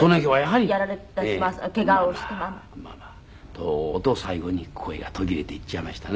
とうとう最後に声が途切れていっちゃいましたね。